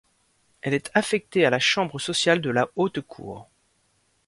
Elle est affectée à la chambre sociale de la Haute Cour.